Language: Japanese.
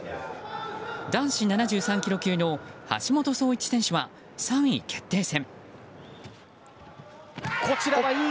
男子７３ｋｇ級の橋本壮市選手は３位決定戦。